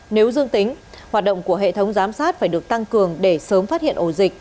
nếu dương tính hoạt động của hệ thống giám sát phải được tăng cường để sớm phát hiện ổ dịch